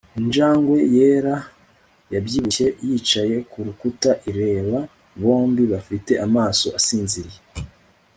injangwe yera yabyibushye yicaye kurukuta ireba bombi bafite amaso asinziriye